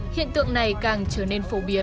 hiện tượng này càng trở nên phát triển